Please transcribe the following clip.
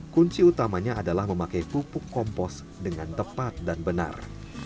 kunci utamanya adalah memakai pupuk kompos dengan tepat dan benar